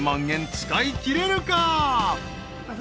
円使いきれるか？］